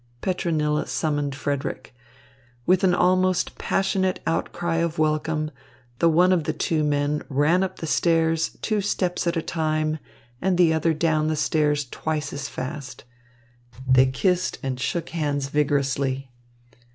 Petronilla summoned Frederick. With an almost passionate outcry of welcome, the one of the two men ran up the stairs, two steps at a time, and the other down the stairs twice as fast. They kissed and shook hands vigorously.